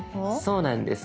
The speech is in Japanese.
そうなんです。